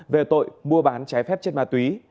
về tội mua bán trái phép chất ma túy